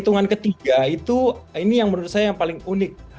dan yang ketiga itu ini menurut saya yang paling unik